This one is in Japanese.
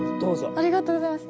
ありがとうございます。